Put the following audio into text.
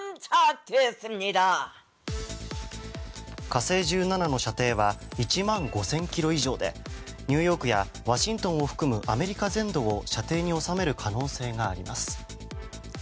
「火星１７」の射程は１万５０００ｋｍ以上でニューヨークやワシントンを含むアメリカ全土を射程に収める可能性があります。